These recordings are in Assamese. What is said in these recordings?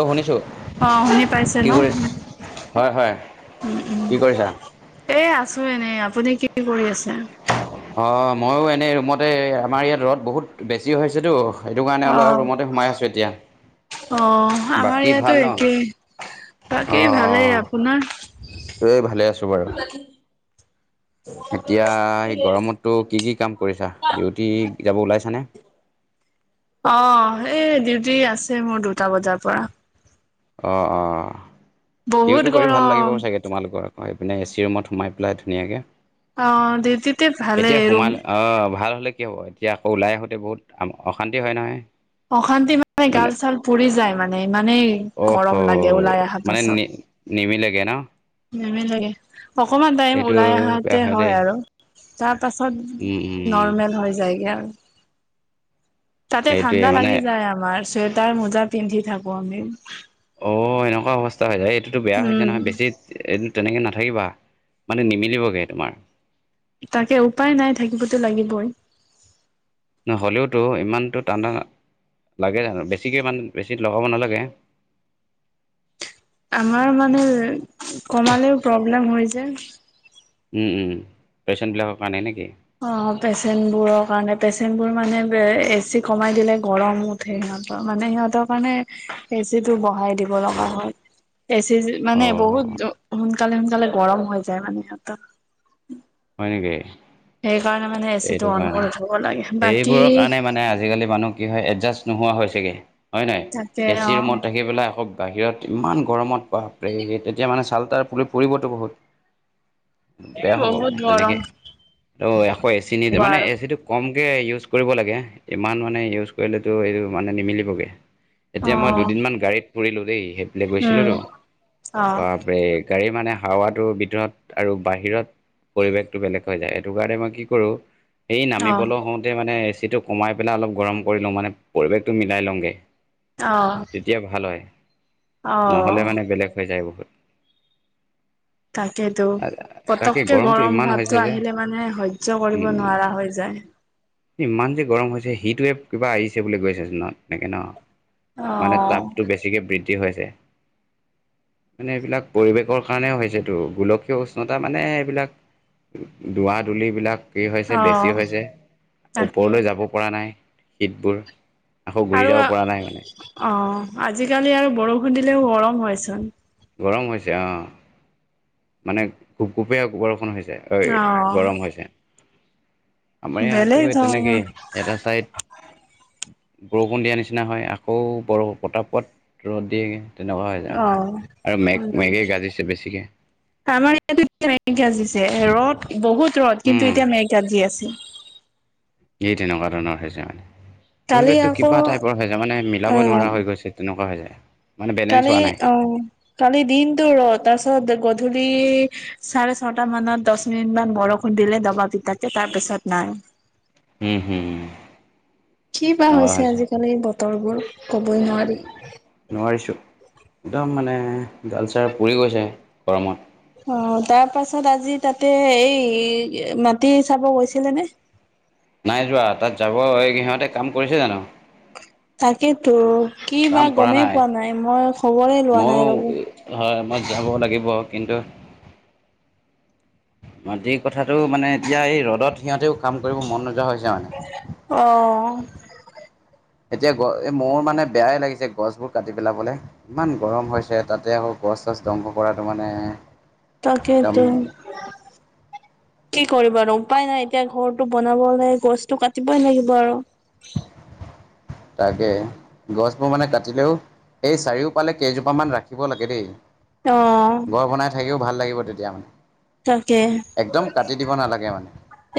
অ শুনিছোঁ অ শুনি পাইছে ন কি কৰি আছে হয় হয় কি কৰিছা এ, আছো এনেই আপুনি কি কৰি আছে। অঁ ময়ো এনেই ৰুমতে আমাৰ ইয়াত ৰ'দ বহুত বেছি হৈছেতো [unintelligible] সেইটো কাৰণে অ অলপ ৰুমতে সোমাই আছোঁ এতিয়া, অ আমাৰ বাকী ইয়াতো ভাল ন অ একেই বাকী ভালেই অ আপোনাৰ এই ভালে আছোঁ বাৰু এতিয়া সেই গৰমততো কি কি কাম কৰিছা ডিউটি কেতিয়াবা ওলাইছানে অ এই ডিউটি আছে মোৰ দুটা বজাৰ পৰা। অ অ বহুত ইউটো কৰি ভাল লাগিব গৰম চাগে তোমালোকৰ এ চি ৰুমত সোমাই পেলাই ধুনীয়াকৈ। অ, দিদী। এতিয়া সোমাল অ ভাল হ'লে কি হ'ব এতিয়া আকৌ ওলাই আহোঁতে বহুত অশান্তি হয় নহয় [unintelligible] অশান্তি মানে গাল চাল পুৰি যায় মানে ইমানেই গৰম লাগে ওলাই অহাৰ পাছত,। নিেমিিলাগে না [unintelligible] মেমেন লাগে অকমান টাইম ওলাই আহাতে বেয়া হয় দেই আৰু তাৰ পাছত উম উম নৰ্মেল হৈ যায়গৈ আৰু, তাতে এইটোৱে ঠাণ্ডা মানে লাগি যায় আমাৰ চুৱেটাৰ মোজা পিন্ধি থাকো আমি [unintelligible] অ' এনেকুৱা অৱস্থা হৈ যায়, এইটোতো বেয়া হৈছে উম নহয় বেছিত এইটো তেনেকৈ নাথাকিবা মানে নিমিলিবগৈ তোমাৰ তাকে উপায় নাই থাকিবতো লাগিবই নহয় হ'লেওতো ইমানটো টাণ্ডা লাগে জানো বেছিকৈ মানে বেছি লগাব নালাগে আমাৰ মানে কমালেও প্ৰব্লেম হৈ যে পেচণ্টবিলাকৰ কাৰণে নেকি, অ পেচেণ্ট বোৰৰ কাৰণে পেচেণ্ট বোৰ মানে এচি কমাই দিলে গৰমত সিহঁতৰ মানে সিহঁতৰ কাৰণে এচি টো বঢ়াই দিব লগা হয় এচি [unintelligible] অ মানে বহুত সোনকালে সোনকালে গৰম হৈ যায় মানে সিহঁতৰ। হয় নেকি। সেই কাৰণে মানে এ চি টো এইটো অন কাৰণে কৰি থব লাগে বাকী সেইবোৰৰ কাৰণে মানে আজিকালি মানুহ কি হয় এডজাষ্ট নোহোৱা হৈছেগে হয় নহয় তাকে এ অ চি ৰুমত থাকি পেলাই আকৌ বাহিৰত ইমান গৰমত বাপৰে তেতিয়া মানে চাল তাল পুৰি পৰিবতো বহুত এই বেয়া হ'ব বহুত মানে গৰম তেনেকে ত এশ এ চি নি হ'ব মানে আৰু [unintelligible] সেইটো কমকে ইউজ কৰিব লাগে ইমান মানে ইউজ কৰিলেতো এইটো মানে নিমিলিবগে। এতিয়া মই অ', দুদিনমান গাড়ীত ফুৰিলোঁ দেই, সেইবিলে গৈছিলোঁটো উম, অ', বা এ, গাড়ীৰ মানে হাৱাটো ভিতৰত আৰু বাহিৰত পৰিৱেশটো বেলেগ হৈ যায়। এইটো কাৰণে মই কি কৰো এই অ', নামিবলৈ হওঁতে মানে এচিটো সোমাই পেলাই অলপ গৰম কৰি লওঁ মানে পৰিৱেশটো মিলাই লওঁগৈ। অ', তেতিয়া ভাল হয় নহ'লে অ', মানে বেলেগ হৈ যায় বহুত। তাকেতো তাকে পতককে গৰমটো গৰম ইমান হৈছে ভাৱতটো যে আহিলে মানে হয় [unintelligible] সহ্য কৰিব উম। নোৱাৰা হৈ যায়। ইমান যে গৰম হৈছে সিটোৱে কিবা আহিছে বুলি গৈছে জোনত এনেকৈ ন [unintelligible] মানে অ', তাপটো বেছিকে বৃদ্ধি হৈছে। মানে এইবিলাক পৰিৱেশৰ কাৰণে হৈছেতো গোলকীয় উষ্ণতা মানে এইবিলাক দুৱ, দুল বিলাক কি হৈছে বেছি অ', হৈছে তাকে ওপৰলৈ যাব। পৰা নাই শীতবোৰ আকৌ ঘূৰি আৰু যাব পৰা নাই মানে অ, আজিকালি আৰু বৰষুণ দিলেও গৰম হয়চোন। গৰম হৈছে অ, মানে গোপ, গোপিয়া বৰষুণ দিছে। অ', গৰম হৈছে। আমাৰ বেলেগ ইয়াতো ধৰণৰ তেনেকেই এটা ছাইড। বৰষুণ দিয়া নিচিনা হয়, আকৌ বৰষুণ পতাপত পোৱাত ৰ'দ দিয়ে তেনেকুৱা হৈ যায়। অ'। আৰু মেগ, উম, মেগেই গাজিছে বেছিকৈ। মে গাজিছে ৰ'দ বহুত ৰ'দ কিন্তু উম, এতিয়া মেগাজি আছে। [inaudible] এই তেনেকুৱা ধৰণৰ হৈছে মানে কালি পৰিৱেশটো আকৌ কিবা টাইপৰ হৈছে মানে, মিলাব নোৱাৰা উম, হৈ গৈছে। তেনেকুৱা হৈ যায়। মানে বেলেঞ্চ কালি হোৱা নাই, অ, কালি দিনতো ৰ তাৰ পিছত গধূলি চাৰে ছটা মানত দহ মিনিট মান বৰষুণ দিলে দবা পিতা তাৰপিছত নাই। হম, হম কি বা তেনেকুৱা হৈছে আজিকালি ব বঁতৰবোৰ ক'বই হৈছে। নোৱাৰি। নোৱাৰিছোঁ, একদম মানে গালচাৰ পৰি গৈছে গৰমত। অ, তাৰ পাছত আজি তাতে এই মাটি চাব গৈছিলে নে? নাই যোৱা তাত যাব এই সিহঁতে কাম কৰিছে জানো। তাকেতো কি বা কাম কৰা গমেই পোৱা নাই মই। খবৰে লোৱা নাই ময়ো, ৰ'ব। হয় মই যাব লাগিব কিন্তু মাটিৰ কথাটো মানে এতিয়া এই ৰ'দত সিহঁতেও কাম কৰিব মন নোযোৱা হৈছে মানে। অ'। এতিয়া গ, মোৰ মানে বেয়াই লাগিছে গছবোৰ কাটি পেলাবলৈ। ইমান গৰম হৈছে। তাতে আকৌ গছ, চছ ধ্বংস কৰাটো মানে একদম তাকেইটো। কি কৰিবনো উপায় নাই। এতিয়া ঘৰটো বনাব হলে গছতটো কাটিবই লাগিব আৰু। তাকে গছবোৰ মানে কাটিলেও। এই চাৰিওফালে কেইজোপামান ৰাখিব লাগে দেই। অ'। ঘৰ বনাই থাকিও ভাল লাগিব তেতিয়া মানে তাকে। একদম কাটি দিব নালাগে মানে।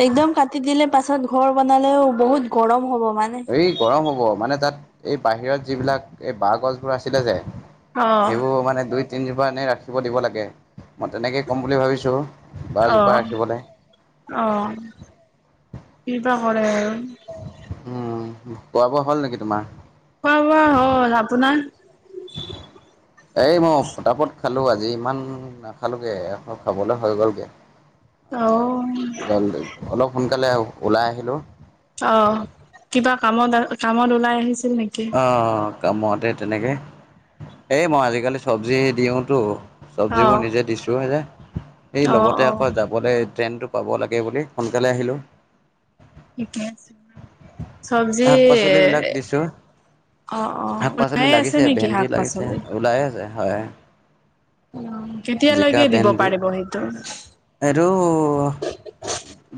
একদম কাটি দিলে পাছত ঘৰ বনালেও বহুত গৰম হ'ব মানে এই গৰম হ'ব, মানে তাত এই বাহিৰত যিবিলাক এই বাঁহ গছবোৰ আছিলে যে অ', সেইবোৰ মানে দুই, তিনজোপা এনে ৰাখিব দিব লাগে। মই তেনেকে ক'ম বুলি ভাবিছো। আহ, আহ, কিবা কৰে আৰু। উম, খোৱা, বোৱা হ'ল নেকি তোমাৰ? খোৱা, বোৱা হ'ল আপোনাৰ? এই মই ফতাপট খালো আজি, ইমান নাখালোগেৌ খাবলৈ হৈ গ'লগৈ। মানে অ', জল অলপ সোনকালে ওলাই আহিলোঁ। অ', কিবা কামত আ কামত ওলাই আহিছিল নেকি? অ', কামতে তেনেকে এই মই আজিকালি চব্জিহে দিওতো অ', [unintelligible] এই অ', লগতে অ', আকৌ যাবলৈ ট্ৰেইনটোক পাব লাগে বুলি সোনকালে আহিলোঁ। [unintelligible] শাক পাচলিবিলাক দিছোঁ অ', শাক পাচলি ওলাই আছে লাগিছে নেকি ভেন্দি লাগিছে শাক-পাচলি ওলাই আছে হয়। জিকা কেতিয়ালৈকে দিব ভেন্দি পাৰিব সেইটো এইটো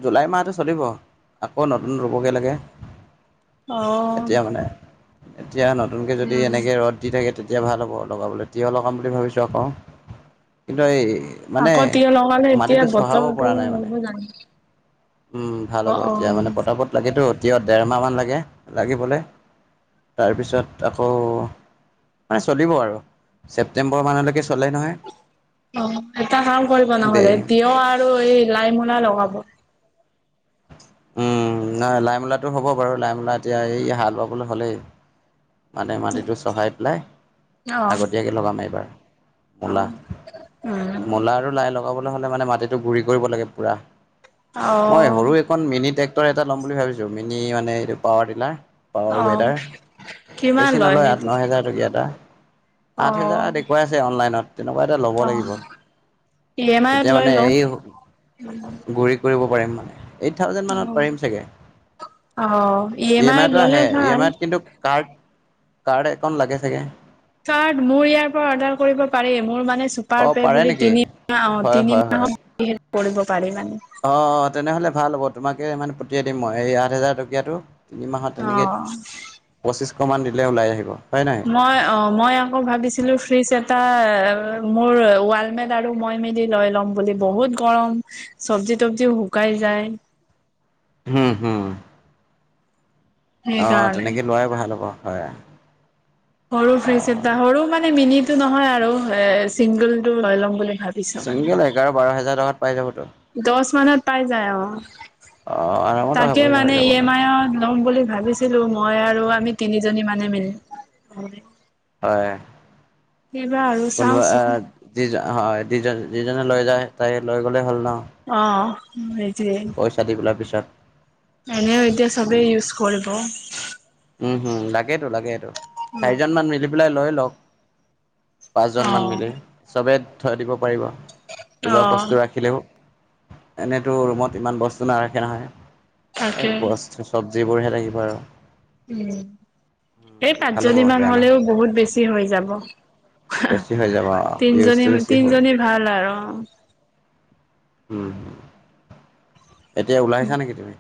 জুলাই মাহটো চলিব, আকৌ নতুন ৰু'বগৈ লাগে। এতিয়া অ', মানে এতিয়া নতুনকে যদি উম, এনেকে ৰ'দ [unintelligible] তেতিয়া ভাল হ'ব লগাবলৈ তিয় লগাম বুলি ভাবিছোঁ আকৌ, কিন্তু এই মানে, আকৌ মাটিটো চহাব পৰা নাই মানে। নাই উম, ভাল হ'ব এতিয়া মানে পতাপত লাগেতো এতিয়া দেৰমাহ মান লাগে, লাগিবলে। তাৰপিছত, আকৌ মানে চলিব আৰু, ছেপটেম্বৰ মানলৈকে চলে নহয় অ', টা কাম কৰিব দে নহলে, তিয়হ আৰু এই লাই মূলা লগাব উম, নহয় লাই মূলাটো হ'ব বাৰু লাই মূলা এতিয়া এই হাল বাবলৈ হ'লেই। মানে, মাটিটো চহাই পেলাই, অ আগতীয়াকৈ লগাম এইবাৰ মূলা, উম মূলা আৰু লাই লগাবলৈ হ'লে মানে মাটিটো গুৰি কৰিব লাগে পুৰা। অ মই সৰু এখন মিনি ট্ৰেক্টৰ এটা ল'ম বুলি ভাবিছো মিনি মানে [unintelligible] পাৱাৰ অ ৱেডাৰ কিমান বেছি লয় নলয় আঠ সেইটো ন হেজাৰ [unintelligible] অ আঠ হেজাৰ দেখুৱাই আছে অনলাইনত তেনেকুৱা এটা ল'ব অ লাগিব। ই এম আইত তেতিয়া লৈ মানে লওঁ এই গুৰি কৰিব পাৰিম মানে এইট থাউজেণ্ড মানত পাৰিম চাগে অ ই এম আইত আইতটো ল'লে আহে ই এম ভাল আইত কিন্তু কাৰ্ড কাৰ্ড একখন লাগে চাগে চাৰ্ট মোৰ ইয়াৰ পৰা অৰ্ডাৰ কৰিব পাৰি মোৰ মানে চু অ পাৰ পে পাৰে বুলি নেকি তিনি অ', হয় তিনি হয় হয় মাহত হেল্প কৰিব পাৰে মানে অ', তেনেহ'লে ভাল হ'ব তোমাকে মানে পঠিয়াই দিম মই এই আঠ হাজাৰ টকীয়াাতটো। এইমাহত তেনেকৈ অ পঁচিছশমান দিলে ওলাই আহিব হয় নাই মই, অ', মই আকৌ ভাবিছো ছিলো ফ্ৰিজ এটা মোৰ ৱালমেট আৰু মই মেলি লৈ ল'ম বুলি, বহুত গৰম চব্জি তবজি শুকাই যায় হম, হম, আহ সেইকাৰণে তেনেকে লোৱাই ভাল হ'ব হয় সৰু অ ফ্ৰিজ এটা সৰু মানে, মিনি টো নহয় আৰু এ চিংগল টো লৈ লম বুলি ভাবো চিংগল এঘাৰ বাৰ হাজাৰ টকাত পাই যাবতো দশ মানত পাই যায় অ। অ আৰামত তাকে হৈ হৈ মানে যাব ই এ ন মাইয়ত ল'ম বুলি ভাবিছ ছিলো মই আৰু আমি তিনিজনী মানে মিলি। হয়। সেইবাৰ আৰু কোনোবা আ, চাওচোন যিজ হয় যিজন যিজনে লৈ যায় তাইয়ে লৈ গ'লে হ'ল ন। অ, সেইটোয়ে। পইচা দি পেলাৰ পিছত এনেও এতিয়া চবে ইউজ কৰিব। উম, হম লাগেটো লাগেটো, চাৰিজন মান মিলি পেলাই লৈ লওক। পাঁচজন মান অ মিলি চবে থৈ দিব পাৰিব কিবা অ', বস্তু ৰাখিলেও, এনেইতো ৰুমত ইমান বস্তু নাৰাখে নহয়। তাকে এই বস্তু চব্জিবোৰ হে লাগিব আৰু। উম এই ভাল হ'ব পাঁচজনী মান বেয়া নহ'ব হ'লেও বহুত বেছি হৈ যাব। বেছি হৈ যাব তিনিজনী ইউজটো বেছি হ'ব। তিনিজনী ভাল আৰু অ। উম এতিয়া ওলাইছা নেকি তুমি?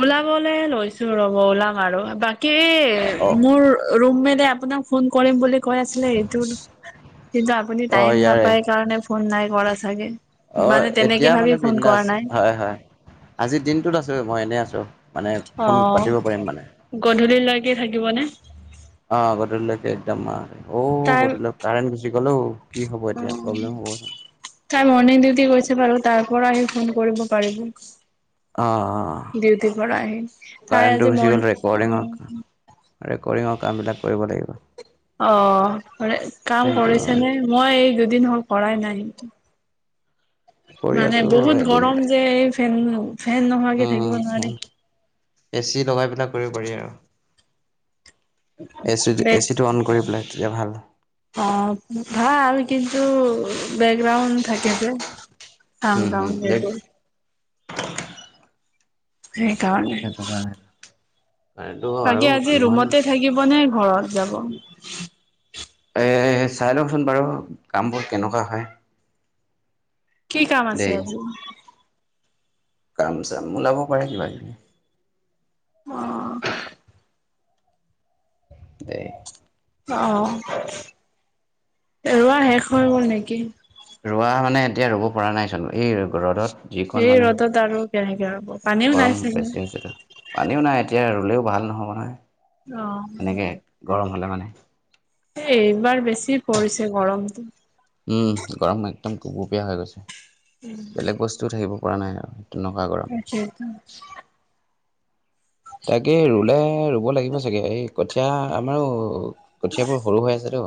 ওলাবলে লৈছো ৰ'ব ওলাম আৰু, বাকী অ অ মোৰ ৰুম মেডে আপোনাক ফোন কৰিম বুলি কৈ আছিলে এইটো, কিন্তু আ আপুনি অ টাইম ইয়াৰে। নাপায় কাৰণে ফোন নাই কৰা চাগে। অ মানে তেনেকে এতিয়া ভাবি মানে ফোন কৰা বিন্দাস, নাই হয় হয়। আজিৰ দিনটোত আছোঁ মই এনেই আছোঁ, মানে ফোন অ', পাতিব পাৰিম মানে। গধূলিলৈকে থাকিব নে? অ গধূলিলৈকে একদম অ। অ তাই বধল কাৰেণ্ট গুচি গ'লও, কি হ'ব অ', এতিয়া? প্ৰব্লেম হ'ব। তাই মৰ্ণিং ডিউটি গৈছে বাৰু তাৰ পৰা আহি ফোন কৰিব পাৰিব। অ দেউতি পৰা আহি, তাই কাৰেণ্টটো আজি গুচি মন, গ'ল উম ৰেকৰ্ডিঙৰ উম। ৰেকৰ্ডিঙৰ কাম বিলাক কৰিব লাগিব। অ ৰে কাম কিন্তু কৰিছে নে? মই এই দুদিন হ'ল কৰাই নাই। কৰি মানে আছো বহুত এদিন গৰম যে এই ফেন ফেন নোহোৱাকে থাকিব উম নোৱাৰি হুম এ চি লগাই পেলাই কৰিব পাৰি আৰু। এচি বেগ এচি টো অন কৰি পেলাই তেতিয়া ভাল। অ ভাল আৰু কিন্তু বেকগ্ৰাউণ্ড থাকে যে। উম হুম দেক [unintelligible] সেই কাৰণে মানে টো বাকী আৰু আজি কিমান ৰুমতে থাকিব নে ঘৰত যাব? এই চাই লংচোন বাৰু কামবোৰ কেনেকুৱা হয়। কি কাম আছে দেই আজি? কাম-চাম ওলাব পাৰে কিবা কিবি। অহ। দেই অ ৰোৱা শেষ হৈ গ'ল নেকি? ৰুৱা মানে এতিয়া ৰুব পৰা নাই চোন, এই ৰ'দত। যিকণ এই মানে, ৰ'দত আৰু কেনেকে হ'ব পানীও নাই গৰম চাগে বেছি হৈছেতো। পানীও নাই এতিয়া ৰুলেও ভাল নহ'ব নহয়, অ এনেকে গৰম হ'লে মানে এই এইবাৰ বেছি পৰিছে গৰমটো। উম গৰম একদম গুৱ গুপিয়া হৈ গৈছে, বেলেগ বস্তুও থাকিব পৰা নাই আৰু। নহয় বাৰু। তাকেইতো [unintelligible] তাকে ৰুলে ৰুব লাগিব চাগে, এই কঠীয়া আমাৰো কঠিয়াবোৰ সৰু হৈ আছেটো।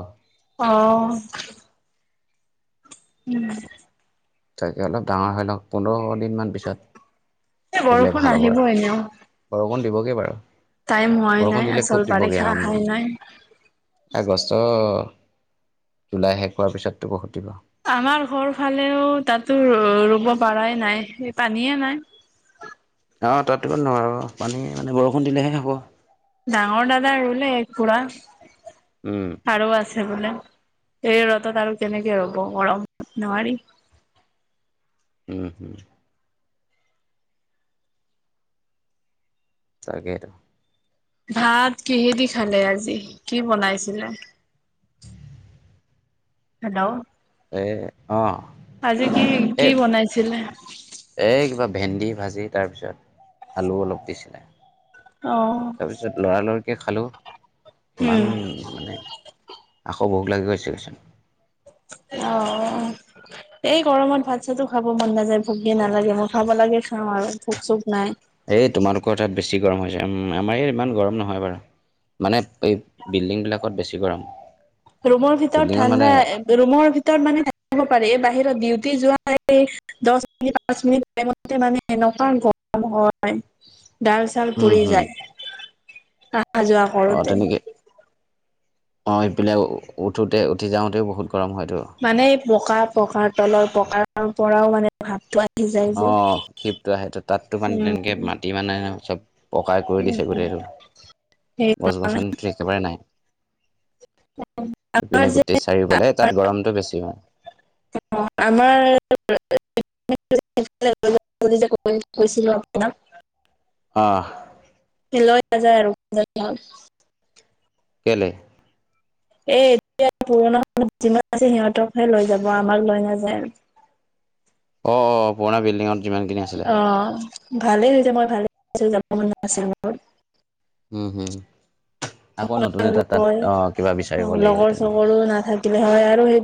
অ। [unintelligible] তাকে অলপ ডাঙৰ হয় লওক, পোন্ধৰ দিনমান পিছত, এ ৰুলে বৰষুণ ভাল হ'ব আহিব আৰু। এনেও বৰষুণ দিবগে বাৰু। টাইম হোৱাই বৰষুণ নাই, দিলে খুব আচল দিবগে বাৰিষা আৰু আহাই নাই। আগষ্ট, জুলাই শেষ হোৱাৰ পিছত [unintelligible] আমাৰ ঘৰ ফালেও তাতো ৰু'ব পৰাই নাই, সেই পানীয়ে নাই। অঁ তাত দিব নোৱাৰোঁ আৰু পানী মানে বৰষুণ দিলেহে হ'ব। ডাঙৰ দাদা ৰুলে একপুৰা। উম। আৰু আছে বোলে এই ৰ'দত আৰু কেনেকে ৰুব গৰম নোৱাৰি উম হুম তাকেইটো। ভাত কিহেদি খালে আজি কি বনাইছিলে? হেল্ল'! এ অ আজি কি এই কি বনাইছিলে এই কিবা ভেন্দি ভাজি, তাৰপিছত আলু অলপ দিছিলে। অ'। লৰালৰিকৈ খালেও ইমান উম মানে আকৌ ভোক লাগি গৈছেচোন অ'। এই গৰমত ভাত চাতো খাব মন নাযায়, ভোগে নালাগে মই খাব লাগে খাওঁ আৰু ভোক চোক নাই। এই তোমালোকৰ তাত বেছি গৰম হৈছে, উ আমাৰ ইয়াত ইমান গৰম নহয় বাৰু। মানে এই বিল্ডিং বিলাকত বেছি গৰম। ৰুমৰ ভিতৰত বিল্ডিঙত ঠাণ্ডা, মানে ৰুমৰ ভিতৰত মানে পাৰে বাহিৰত ডিউটি যোৱা। দ মিনিট পাঁচ মিনিট টাইমতে মানে এনেকুৱা গৰম হয় তাৰি,। ছাল উম জ্বলি হুম যায়। অহা যোৱা অঁ কৰোতে। তেনেকৈ অঁ ইফালে উঠোতে উঠি যাওঁতেও বহুত গৰম হয়তো মানে পকা পকাৰ তলৰ পকাৰ পৰাও মানে প্ৰ ভাৱটো আহি যায়,। অ, যে শিপটো আহেটো তাতো মানে উম। তেনেকে মাটি মানে চব। পকাই কৰি দিছে গোটেইটো গছ সেইকাৰণে গছনিটো একেবাৰেই নাই আমাৰ ইপিনে গোটেই চাৰিও ফালে তাত গৰমটো বেছি হয়,। অ আমাৰ কৈছিলো আপোনাক অ হ লৈ নাযায় আৰু। কেলে'। এ এতিয়া পুৰণা যিমান আছে সিহঁতকহে লৈ যাব আমাক লৈ নাযায় আৰু অ, অ পুৰণা বিল্ডিংত অ, ভালেই হৈছে মই ভালে পাইছো যাব মন নাছিল ম উম, হুম আকৌ নতুন এটা তাত হয় অ কিবা বিচাৰিব লাগিব লগৰ তেনেকুৱা। চগৰো নাথাকিলে হয় আৰু হেইটো